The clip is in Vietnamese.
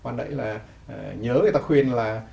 nhớ người ta khuyên là